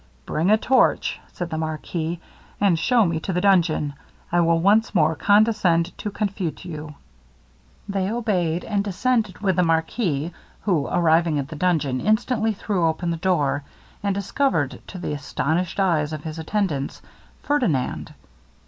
'Bring a torch,' said the marquis, 'and shew me to the dungeon. I will once more condescend to confute you.' They obeyed, and descended with the marquis, who, arriving at the dungeon, instantly threw open the door, and discovered to the astonished eyes of his attendants Ferdinand!